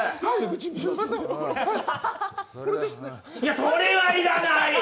それは要らない！